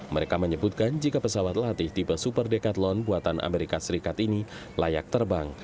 mereka menyebutkan jika pesawat latih tipe super decathlon buatan as layak terbang